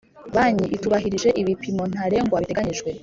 Banki itubahirije ibipimo ntarengwa biteganyijwe